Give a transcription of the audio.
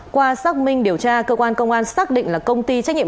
qua xác minh điều tra cơ quan công an xác định là công ty trách nhiệm